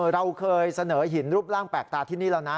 เราเคยเสนอหินรูปร่างแปลกตาที่นี่แล้วนะ